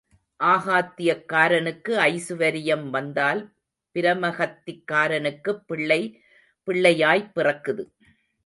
ஆகாத்தியக்காரனுக்கு ஐசுவரியம் வந்தால் பிரம்மகத்திக்காரனுக்குப் பிள்ளை பிள்ளையாய்ப் பிறக்குது.